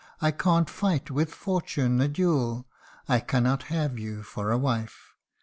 I can't fight with Fortune a duel, I cannot have you for a wife.